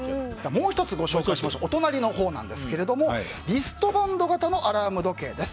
もう１つ、お隣のほうですがリストバンド形のアラーム時計です。